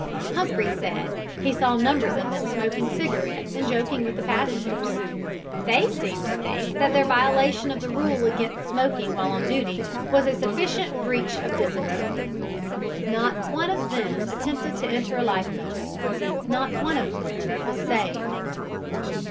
Humphreys said he saw numbers of them smoking cigarettes and joking with the passengers. They seemed to think that their violation of the rule against smoking while on duty was a sufficient breach of discipline. Not one of them attempted to enter a life boat. Not one of them was saved.